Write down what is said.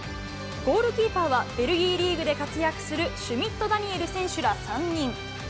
ゴールキーパーは、ベルギーリーグで活躍するシュミット・ダニエル選手ら３人。